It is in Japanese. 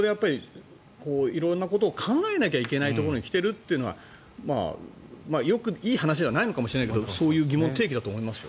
色んなことを考えなきゃいけないところに来てるというのがいい話ではないのかもしれないけどそういう疑問提起だと思いますよ。